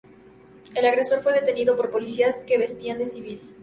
El agresor fue detenido por policías que vestían de civil.